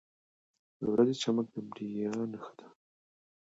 • د ورځې چمک د بریا نښه ده.